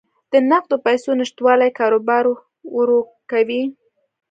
د نقدو پیسو نشتوالی کاروبار ورو کوي.